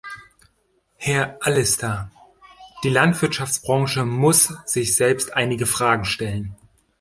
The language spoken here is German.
Herr Allister, die Landwirtschaftsbranche muss sich selbst einige Fragen stellen.